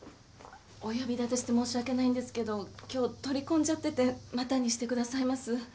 お呼び立てして申し訳ないんですけど今日取り込んじゃっててまたにしてくださいます？